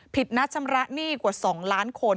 นัดชำระหนี้กว่า๒ล้านคน